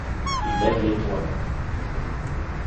Il lève les poids.